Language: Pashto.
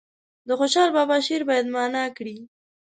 د خوشحال بابا شعر باید معنا کړي.